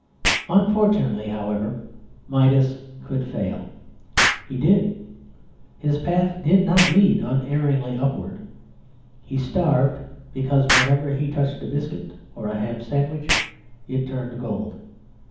Unfortunately, however, Midas could fail; he did. His path did not lead unerringly upward. He starved because whenever he touched a biscuit or a ham sandwich it turned to gold.